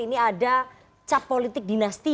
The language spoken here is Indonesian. ini ada cap politik dinasti